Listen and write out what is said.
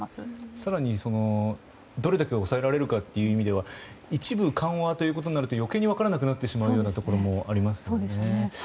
更にどれだけ抑えられるかという意味では一部、緩和ということになると余計に分からなくなってしまうところもありますよね。